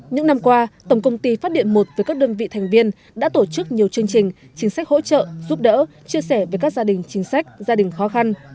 những năm qua tổng công ty phát điện một với các đơn vị thành viên đã tổ chức nhiều chương trình chính sách hỗ trợ giúp đỡ chia sẻ với các gia đình chính sách gia đình khó khăn